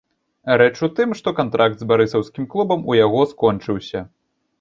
Рэч у тым, што кантракт з барысаўскім клубам у яго скончыўся.